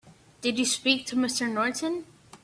Did you speak to Mr. Norton?